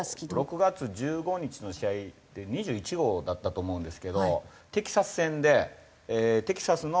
６月１５日の試合で２１号だったと思うんですけどテキサス戦でテキサスのホームで。